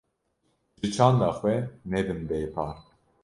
Ji çanda xwe nebin bê par.